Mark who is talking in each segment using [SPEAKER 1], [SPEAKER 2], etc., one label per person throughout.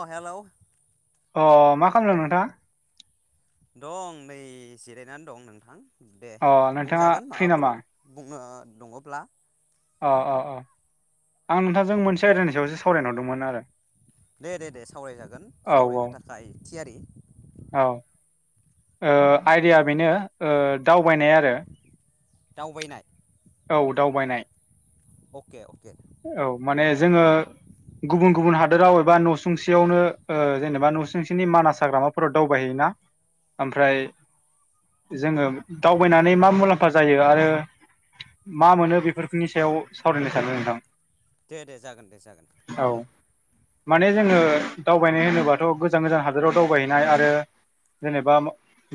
[SPEAKER 1] अ हेल'
[SPEAKER 2] अ मा खालामदों नोंथाङ?
[SPEAKER 1] दं नै जिरायनानै दं नोंथां दे
[SPEAKER 2] अ नोंथाङा
[SPEAKER 1] बुंजागोन
[SPEAKER 2] फ्रि
[SPEAKER 1] माबाफोर
[SPEAKER 2] नामा
[SPEAKER 1] बुनो दङब्ला
[SPEAKER 2] अ अ अ आं नोंथांजों एडन् सायावसो सावरायनोहरदोंमोन आरो
[SPEAKER 1] दे दे दे सावरायजागोन
[SPEAKER 2] औ
[SPEAKER 1] सावरायनो थाखाय थियारि
[SPEAKER 2] औ आइदाया बेनो दावबायनाय आरो
[SPEAKER 1] दावबायनाय
[SPEAKER 2] औ दावबायनाय
[SPEAKER 1] अके अके
[SPEAKER 2] औ माने जोङो गुबुन गुबुन हादोराव एबा न'सुंसेयावनो ओ जेनेबा न'सुंसेनि मानास हाग्रामा फोराव दावबायहैयोना ओमफ्राय जोङो दावबायनानै मा मुलाम्फा जायो आरो मा मोनो बेफोरफोरनि सायाव सावरायनो सानदों नोंथां।
[SPEAKER 1] दे दे जागोन दे जागोन।
[SPEAKER 2] औ। माने जोङो दावबायनाय होनोबाथ' गोजान गोजान हादराव दावबायहैनाय आरो जेनेबा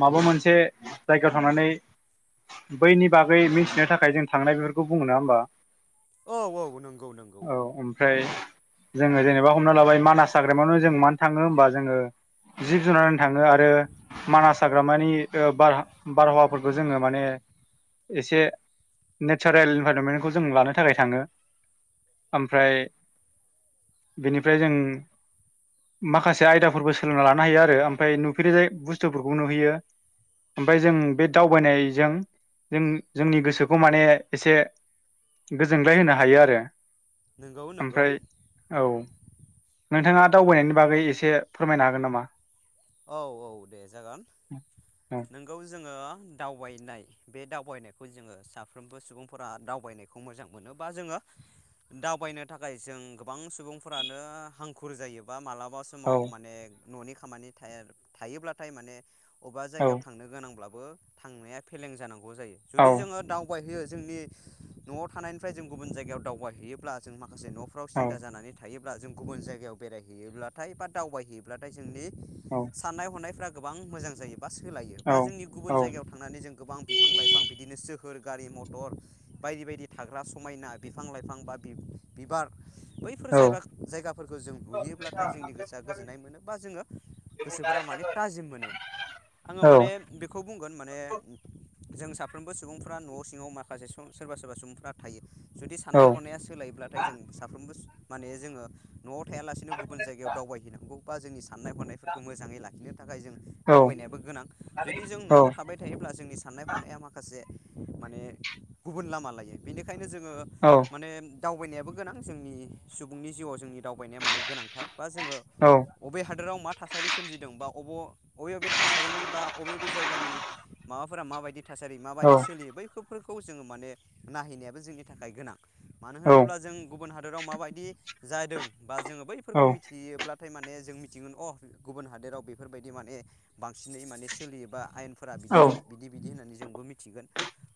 [SPEAKER 2] माबा मोनसे जायगायाव थांनानै बैनि बागै मिथिनो थाखाय जों थांनाय बेफोरखौ बुङो ना होमबा?
[SPEAKER 1] औ औ नंगौ नंगौ।
[SPEAKER 2] औ [unintelligible] जोङो जेनेबा हमना लाबाय मानास हाग्रामायावनो जों मानो थाङो होमबा जोङो जिब जुनार थाङो आरो मानास हाग्रामानिर बार बारहावा फोरफोरखौ जोङो माने एसे नेचारेल इनभाइरनमेन्टखौ जों लानो थाखाय थाङो। ओमफ्राय बेनिफ्राय जों माखासे आयदाफोरबो सोलोंना लानो हायो आरो ओमफ्राय नुफेरि बुस्थुफोरखौ नुहैयो ओमफफ्राय जों बे दावबायनायजों जों जोंनि गोसोखौ माने एसे गोजोनग्लाय होनो हायो आरो।
[SPEAKER 1] नंगौ नंगौ
[SPEAKER 2] ओमफ्राय औ नोंथाङा दावबायनायनि बागै एसे फोरमायनो हागोन नामा?
[SPEAKER 1] औ औ दे जागोन।
[SPEAKER 2] औ
[SPEAKER 1] नोंगौ जोङो दावबायनाय बे दावबायनायखौ जोङो साफ्रोमबो सुबुंफोरा दावबायनायखौ मोजां मोनो बा जोङो दावबायनो थाखाय जों गोबां सुबुंफोरानो हांखुर जायोबा मालाबा सम
[SPEAKER 2] औ
[SPEAKER 1] समाव माने न'नि खामानि थाया थायोब्लाथाय माने अबेबा
[SPEAKER 2] औ
[SPEAKER 1] जायगायाव गोनांब्लाबो थांनाया फेलें जानांगौ जायो
[SPEAKER 2] औ
[SPEAKER 1] जुदि जोङो दाव दावबायहैयो जोंनि न'आव थानायनिफ्राय जों गुबुन जायगायाव दावबाय हैैयोब्ला जों माखासे न'फ्राव
[SPEAKER 2] औ
[SPEAKER 1] सिन्था जानानै थायोब्ला जों गुबुन जायगायाव बेरायहैयोब्लाथाय बा दावबायहै ब्लाथाय जोंनि
[SPEAKER 2] औ
[SPEAKER 1] साननाय हनायफ्रा गोबां मोजां जायो बा सोलायो
[SPEAKER 2] औ
[SPEAKER 1] बा जोंनि
[SPEAKER 2] औ
[SPEAKER 1] गुबुन जायगायाव थांनानै जों गोबां बिफां लाइफां बिदिनो सोहोर गारि मथर बायदि बायदि थाग्रा समायना बिफां लाइफां बा बि-बिबार बैफोर
[SPEAKER 2] औ
[SPEAKER 1] जायबा जायगाफोरखौ जों नुयोब्लाथाय जोंनि गोसोआ गोजोननाय मोनो बा जोङो गोसोफोरा माने थाजिम मोनो। आङो
[SPEAKER 2] औ
[SPEAKER 1] माने बेखौ बुंगोन माने जों साफ्रोमबो सुबुंफ्रा न' सिङाव माखासे सोरबा सोरबा सुबुंफ्रा थायो जुदि साननाय
[SPEAKER 2] औ
[SPEAKER 1] हनाया सोलायोब्लाथाय जों साफ्रोमबो माने जोङो न'आव थायालासिनो गुबुन जायगायाव दावबायहैनांगौ बा जोंनि साननाय हनाय फोरखौ मोजाङै लाखिनो थाखाय जों
[SPEAKER 2] औ
[SPEAKER 1] दावबायनायाबो गोनां जुदि जों
[SPEAKER 2] औ
[SPEAKER 1] न'आव थाबाय थायोब्ला जोंनि साननाय हनाया माखासे माने गुबुन लामा लायो बेनिखायनो जोङो
[SPEAKER 2] औ
[SPEAKER 1] माने दावबायनायाबो गोनां जोंनि सुबुंनि जिउआव जोंनि दावबायनाया माने गोनांथार बा जोङो
[SPEAKER 2] औ।
[SPEAKER 1] अबे हादोराव मा थासारि सोमजिदों बा अब अबे अबे थासारिनि बा अबे अबे जायगानि माबाफोरा माबायदि थासारि
[SPEAKER 2] औ
[SPEAKER 1] माबायदि सोलियो बैखौ बेफोरखौ जोंङो माने नायहैनायाबो जोंनि थाखाय गोनां मानो होनोब्ला जों गुबुन हादोराव माबायदि जादों बा जों बैफोरखो मिथियोब्ला नाथाय माने जों मिथिगोन अ गुबुन हादोराव बेफोरबायदि माने बांसिनै माने सोलियो एबा आयेन फोरा बिदि बिदि बिदि होननानै जोंबो मिथिगोन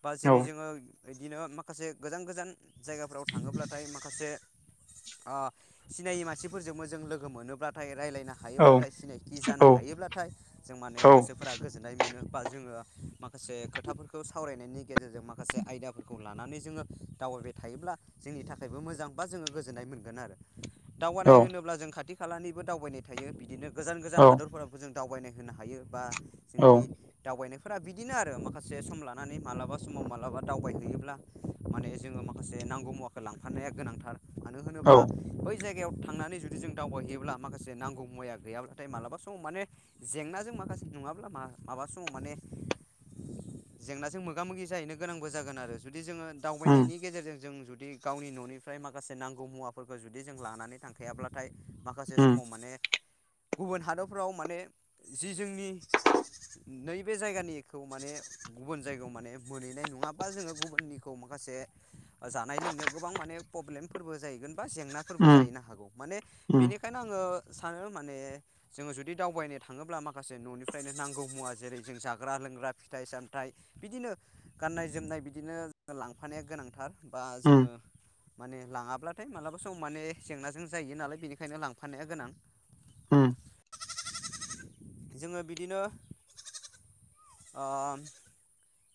[SPEAKER 1] बा जेरै जोंङो बिदिनो माखासे गोजान गोजान जायगाफोराव थाङोब्लाथाय माखासे ओ सिनायि मानसिफोरजोंबो जों लोगो मोनोब्लाथाय रायलायनो हायोब्लाथाय सिनायथि जानो हायोब्लाथाय जों माने गोसोफोरा गोजोन गोजोनाय मोनो बा जोंङो माखासे खोथाफोरखौ सावरायनायनि गेजेरजों माखासे आयदा खौ लानानै जोंङो दावबायबाय थायोब्ला जोंनि थाखायबो मोजां बा जोंङो गोजोननाय मोनगोन आरो। दावबायनाय होनोब्ला जों खाथि खालानिबो दावबायनाय थायो बिदिनो गोजान गोजान हादरफोराबो जों दावबायनाय होनो हायो बा
[SPEAKER 2] औ
[SPEAKER 1] जोंनि दावबायनायफोरा बिदिनो आरो माखासे सम लानानै मालाबा समाव मालाबा दावबायहैयोब्ला माने जोंङो माखासे नांगौ मुवाखौ लांफानाया गोनांथार। मानो
[SPEAKER 2] औ
[SPEAKER 1] होनोब्ला बै जायगायाव थांनानै जु दि जों दावबायहैयोब्ला माखासे नांगौ मुवाया गैयाब्लाथाय मालाबा समाव माने जेंनाजों माखासे नङाब्ला माबा समाव माने जेंनाजों मोगा मोगि जाहैनो गोनांबो जागोन आरो जुदि जोंङो
[SPEAKER 2] उम
[SPEAKER 1] दावबायनायनि गेजेरजों जों जुदि गावनि न'निफ्राय माखासे नांगौ मुवाफोरखौ जुदि जों लानानै थां खायाब्लाथाय माखासे
[SPEAKER 2] उम
[SPEAKER 1] समाव माने गुबुन हादरफ्राव माने जि जोंनि नैबे जायगानिखौ माने गुबुन जायगायाव माने मोनहैनाय नङाबा जोंङो गुबुननिखौ माखासे जानाय लोंनायाव गोबां माने प्रब्लेमफोरबो जाहैगोन बा जेंना फोरबो
[SPEAKER 2] उम
[SPEAKER 1] जाहैनो हागौ माने
[SPEAKER 2] उम
[SPEAKER 1] बेनिखायनो आंङो सानो माने जोंङो जुदि दावबायनाय थाङोब्ला माखासे न'निफ्रायनो नांगौ मुवा जेरै जाग्रा लोंग्रा फिथाय सामथाइ बिदिनो गाननाय जोमनाय बिदिनो लांफानाया गोनांथारबा
[SPEAKER 2] उम
[SPEAKER 1] जोंङो माने लाङाब्लाथाय मालाबा सम माने जेंनाजों जायो नालाय बेनिखायनो लांफानाया गोनां।
[SPEAKER 2] अम
[SPEAKER 1] जोंङो बिदिनो अ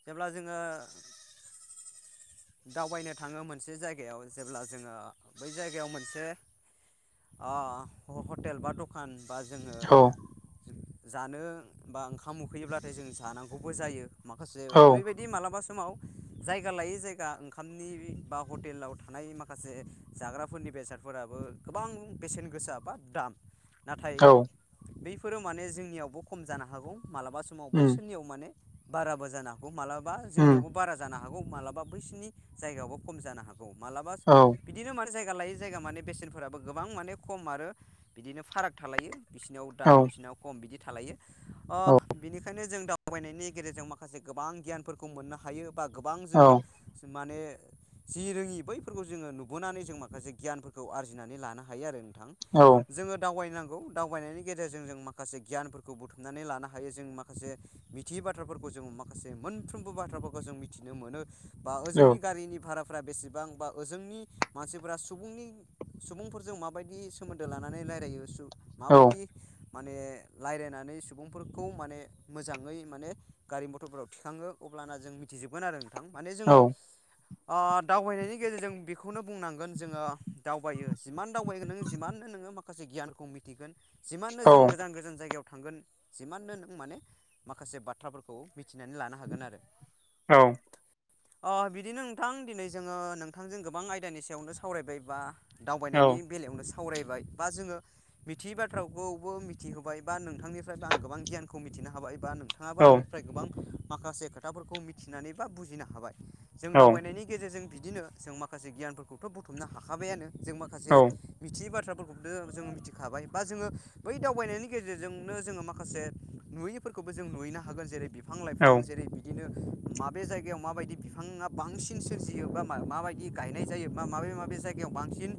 [SPEAKER 1] जेब्ला जोंङो
[SPEAKER 2] [inaudible]
[SPEAKER 1] दावबायनो थाङो मोनसे जायगायाव जेब्ला जोंङो बै जायगायाव मोनसे अ हटेल बा दखान बा जोंङो।
[SPEAKER 2] औ
[SPEAKER 1] जानो बा ओंखाम उखैयोब्लाथाय जों जानांगौबो जायो माखासे
[SPEAKER 2] औ
[SPEAKER 1] ओरैबाय बिदि मालाबा समाव जायगा लायै जायगा ओंखामनि बा हटेलाव थानाय माखासे जाग्राफोरनि बेसादफोराबो गोबां बेसेन गोसा बा दाम नाथाय
[SPEAKER 2] औ
[SPEAKER 1] बैफोरो माने जोंनियावबो खम जानो हागौ मालाबा समाव
[SPEAKER 2] उम
[SPEAKER 1] बैसोरनियाव माने बाराबो जानो हागौ मालाबा
[SPEAKER 2] उम
[SPEAKER 1] जोंनियावबो बारा जानो हागौ मालाबा बैसोरनि जायगायावबो खम जानो हा गौ मालाबा
[SPEAKER 2] औ
[SPEAKER 1] बिदिनो माने जायगा लायै जायगा माने बेसेनफोराबो गोबां माने खम आरो बिदिनो फाराग थालायो बिसिनियाव
[SPEAKER 2] औ
[SPEAKER 1] दाम बिसोरनाव दाम खम बिदि थालायो बिनिखायनो जों दा दावबायनायनि गेजेरजों माखासे गोबां गियानफोरखौ मोननो हायो बा गोबां जोंङो
[SPEAKER 2] औ
[SPEAKER 1] माने जि रोङि बैफोरखौ जोंङो नुबोनानै जों माखासे गियानफोरखौ आरजिनानै लानो हायो आरो नोंथां।
[SPEAKER 2] औ।
[SPEAKER 1] जोङो दावबायनांगौ दावबायनायनि गेजेरजों जों माखासे गियानफोरखौ बुथुमनानै लानो हायो जों माखासे मिथियै बाथ्राफोरखौ जों मा मा माखासे मोनफ्रोमबो बाथ्राफोरखौ जों मिथिनो मोनो बा ओजोंनि गारिनि भारा फोरा बेसेबां बा ओजोंनि मानसिफोरा सुबुंनि सुबुंफोरजों माबायदि सोमोन्दो लानानै रायलायो सु
[SPEAKER 2] औ
[SPEAKER 1] माबायदि माने रायलायनानै सुबुंफोरखौ माने मोजाङै माने गारि मथरफोराव थिखाङो अब्लाना जों मिथिजोबगोन आरो नोंथां माने जोङो
[SPEAKER 2] औ औ
[SPEAKER 1] ओ दावबायनायनि गेजेरजों बेखौनो बुंनांगोन जोङो दावबायो। जिमान दावबायगोन नोङो जिमाननो नोङो माखासे गियानखौ मिथिगोन जिमाननो
[SPEAKER 2] औ
[SPEAKER 1] जों गोजान जायगायाव थांगोन जिमाननो नों माने माखासे बाथ्राफोरखौ मिथिनानै लानो हागोन आरो।
[SPEAKER 2] औ
[SPEAKER 1] अ' बिदिनो नोंथां दिनै जोङो नोंथांजों गोबां आयदानि सायावनो सावरायबायबा
[SPEAKER 2] औ
[SPEAKER 1] दावबायनायनि बेलायावनो सावरायबाय बा जोङो मिथियै बाथ्राखौबो मिथिहोबायबा नोंथांनिफ्रायबो आं गोबां गियानखौ मिथिनो हाबायबा नोंथाङाबो
[SPEAKER 2] औ
[SPEAKER 1] आंनि फ्राय गोबां माखासे खोथाफोरखौ मिथिनानै बा बुजिनो हाबाय जों
[SPEAKER 2] औ
[SPEAKER 1] दावबायनायनि गेजेरजों बिदिनो जों माखासे गियानफोरखौथ' बुथुमनो हाखाबायानो जों माखासे
[SPEAKER 2] औ
[SPEAKER 1] मिथियै बाथ्राफोरखौ जोङो मिथिखाबाय बा जोङो बै दाव बायनायनि गेजेरजोंनो जोङो माखासे नुयैफोरखौबो जों नुयैनो हागोन जेरै बिफां
[SPEAKER 2] औ
[SPEAKER 1] लाइफां जेरै बिदिनो माबे जायगायाव माबायदि बिफाङा बांसिन सोरजियोबा माबायदि गायनाय जायो बा माबे माबे जायगायाव बांसिन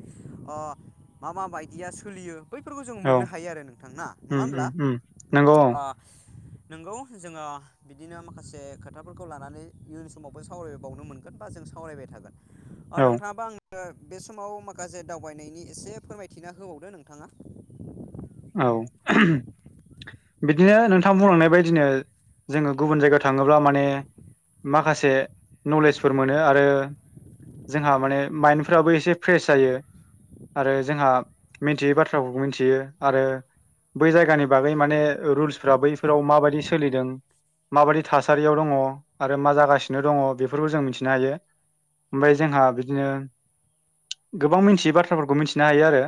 [SPEAKER 1] अ' मा मा बायदिया सोलियो। बैफोरखौ जों
[SPEAKER 2] औ
[SPEAKER 1] मोननो हायो आरो नोंथांना नङा
[SPEAKER 2] उम
[SPEAKER 1] होमब्ला
[SPEAKER 2] उम उम नंगौ औ
[SPEAKER 1] अ' नोंगौ जोङो बिदिनो माखासे खोथाफोरखौ लानानै इयुन समावबो सावरायबावनो मोन गोन बा जों सावरायबाय थागोन अ'
[SPEAKER 2] औ
[SPEAKER 1] नोंथाङाबो आं ओ बे समाव माखासे दावबायनायनि एसे फोरमायथिना होबावदो नोंथाङा।
[SPEAKER 2] औ। बिदिनो नोंथां बुंलांनाय बायदिनो जोङो गुबुन जायगायाव थाङोब्ला माने माखासे नलेजफोर मोनो आरो जोंहा माने मायेनफ्राबो एसे फ्रेस जायो। आरो जोंहा मिथियो बाथ्रा फोरखौ मोनथियो। आरो बै जायगानि बागै माने ओ रुल्सफ्रा बैफोराव माबायदि सोलिदों। माबायदि थासारियाव दङ आरो मा जागासिनो दङ बेफोरखौ जों मिथिनो हायो। ओमफाय जोंहा बिदिनो गोबां मिनथियै बाथ्राफोरखौ मिनथिनो हायो आरो।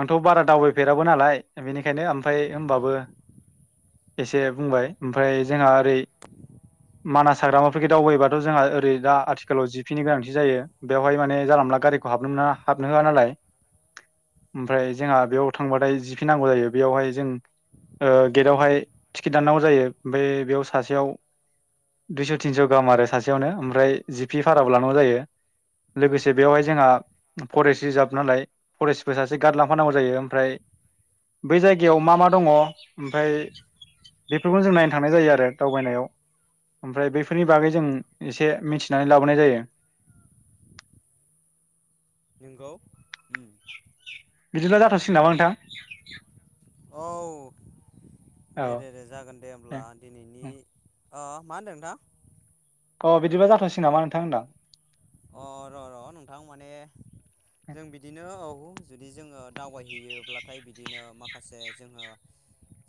[SPEAKER 2] आंथ' बारा दावबायफेराबो नालाय बेनिखायनो ओमफाय होमबाबो। एसे बुंबाय ओमफाय जोंहा ओरै मानास हाग्रामाफोरफोरखौ दावबायायोबाथ' जोंहा ओरै दा आथिखालाव जिपिनि गोनांथि जायो। बेवहाय माने जानला मोनला गारिखौ हाबनो मोना हाबनो होआ नालाय। ओमफाय जोंहा बेयाव थांबाथाय जि फि नांगौ जायो बेयावहाय जों ओ गेट आवहाय टिकेट दाननांगौ जायो ओमफाय बेयाव सासेयाव दुइस' थिनस' गाहाम आरो सासेयावनो ओमफ्राय जिपि भाराबो लानांगौ जायो। लोगोसे बेयावहाय जोंहा फरेस्ट रिजार्भ नालाय फरेस्टबो सा से गाटलांफानांगौ जायो ओमफ्राय बै जायगायाव मा मा दङ ओमफाय बेफोरखौनो जों नायनो थांनाय जायो आरो दावबायनायाव। ओमफ्राय बैफोरनि बागै जों एसे मिथिनानै लाबोनाय जायो।
[SPEAKER 1] नोंगौ उम।
[SPEAKER 2] बिदिब्ला जाथ'सिगोन नामा नोंथां?
[SPEAKER 1] औ
[SPEAKER 2] औ
[SPEAKER 1] दे दे दे। जागोन दे होमब्ला दिनैनि अ मा होनदों नोंथां?
[SPEAKER 2] अह बिदिबा जाथ'सिगोन नामा नोंथां होनदां।
[SPEAKER 1] अ र' र' नोंथां माने जों बिदिनो औ जुदि जोङो दावबायहैयोब्लाथाय बिदिनो माखासे जोङो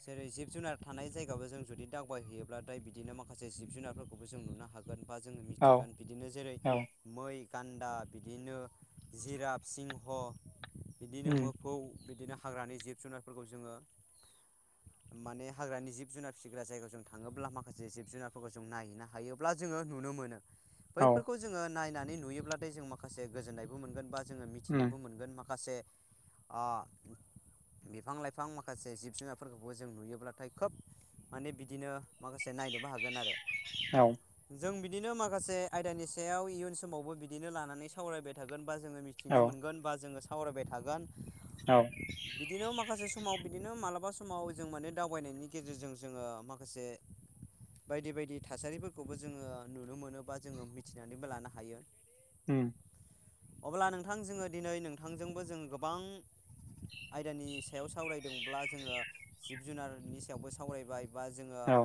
[SPEAKER 1] जेरै जिब जुनार थानाय जायगाबो जों जुदि दावबायहैयोब्लाथाय बिदिनो माखासे जिब जुनारफोरखौबो जों नुनो हागो गोन बा जोङो
[SPEAKER 2] औ
[SPEAKER 1] मिथिगोन बिदिनो जेरै
[SPEAKER 2] औ
[SPEAKER 1] मै, गान्दा बिदिनो जिराफ, सिंह बिदिनो
[SPEAKER 2] उम
[SPEAKER 1] मोफौ बिदिनो हाग्रानि जिब जुनारफोरखौ जोङो
[SPEAKER 2] [inaudible]
[SPEAKER 1] माने हाग्रानि जिब जुनार फिसिग्रा जायगायाव जों थाङोब्ला माखासे जिब जुनारफोरखौ जों नायोना हायोब्ला जोङो नुनो मोनो।
[SPEAKER 2] औ
[SPEAKER 1] बैफोरखौ जोङो नायनानै नुयोब्लाथाय जों माखासे गोजोन्नायबो मोनगोन बा जोङो
[SPEAKER 2] उम
[SPEAKER 1] मिथिनोबो मोनगोन माखासे आ बिफां लाइफां माखासे जिब जुनारफोरखौबो जों नुयोब्लाथाय खोब माने बिदिनो माखासे नायनोबो हागोन आरो।
[SPEAKER 2] औ
[SPEAKER 1] जों बिदिनो माखासे आयदानि सायाव इयुन समावबो बिदिनो लानानै सावरायबाय थागोन बा जोङो मि थिनो
[SPEAKER 2] औ
[SPEAKER 1] मोनगोन बा जोङो सावरायबाय थागोन।
[SPEAKER 2] औ
[SPEAKER 1] बिदिनो माखासे समाव बिदिनो मालाबा समाव जों माने दावबायनायनि गेजेरजों जोङो माखासे बायदि बायदि थासारिफोरखौबो जोङो नुनो मोनो बा जोङो मिथिनानैबो लानो हायो।
[SPEAKER 2] उम
[SPEAKER 1] अब्ला नोंथां जोङो दिनै नोंथांजोंबो जोंङो गोबां आयदानि सा सायाव सावरायदोंब्ला जोङो जिब जुनारनि सायावबो सावरायबाय बा जोङो
[SPEAKER 2] औ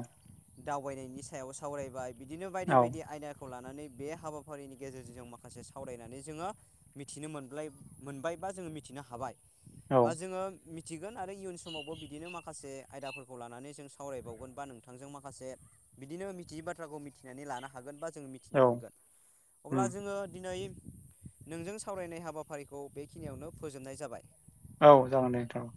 [SPEAKER 1] दावबायनायनि सायाव सावरायबाय बिदिनो बायदि
[SPEAKER 2] औ
[SPEAKER 1] बायदि आयदाखौ लानानै बे हाबा फारिनि गेजेरजों जों माखासे सावरायनानै जोङो मिथिनो मोन मोनब्लाय मोनबाय बा जोङो मिथिनो हाबाय
[SPEAKER 2] औ
[SPEAKER 1] बा जोङो मिथिगोन आरो इयुन समावबो बिदिनो माखासे आयदाफोरखौ लानानै जों सावरायबावगोन बा नोंथांजों माखासे बिदिनो मिथियै बाथ्राखौ मिथिनानै लानो हागोन बा जों मिथिनो
[SPEAKER 2] औ
[SPEAKER 1] मोनगोन। अब्ला
[SPEAKER 2] उम
[SPEAKER 1] जोङो दिनै नोंजों सावरायनाय हाबाफारिखौ बेखिनियावनो फोजोबनाय जाबाय।
[SPEAKER 2] औ जागोनदे नोंथां औ